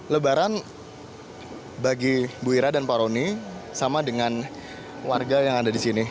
lebaran bagi ibu wira dan pak roni sama dengan warga yang ada disini